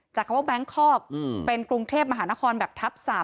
จากคำว่าแบงค์คอร์กอืมเป็นกรุงเทพมหานครแบบทับสับ